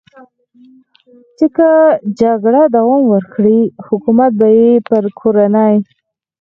چې که جګړه دوام وکړي، حکومت به یې پر کورنۍ.